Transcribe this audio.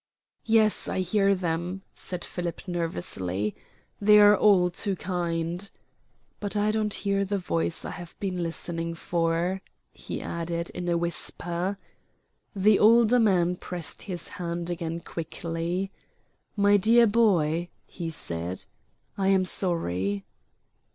"Yes, I hear them," said Philip, nervously; "they are all too kind. But I don't hear the voice I have been listening for," he added in a whisper. The older man pressed his hand again quickly. "My dear boy," he said, "I am sorry."